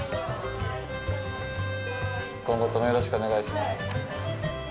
今後ともよろしくお願いします。